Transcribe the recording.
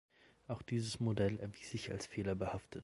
Auch dieses Modell erwies sich als fehlerbehaftet.